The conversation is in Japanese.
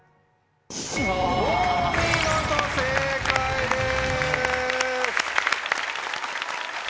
お見事正解です！